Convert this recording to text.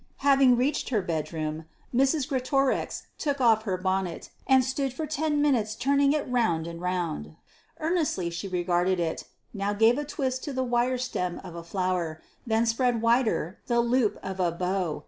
Having reached her bedroom, Mrs. Greatorex took off her bonnet, and stood for ten minutes turning it round and round. Earnestly she regarded it now gave a twist to the wire stem of a flower, then spread wider the loop of a bow.